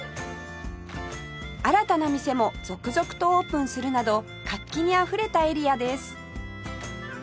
新たな店も続々とオープンするなど活気にあふれたエリアです